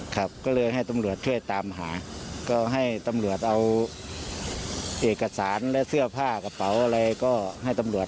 ครับก็เลยให้ตำรวจช่วยตามหาก็ให้ตำรวจเอาเอกสารและเสื้อผ้ากระเป๋าอะไรก็ให้ตำรวจ